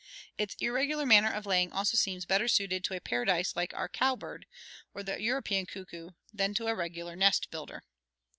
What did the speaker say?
Its irregular manner of laying also seems better suited to a parasite like our cow bird, or the European cuckoo, than to a regular nest builder.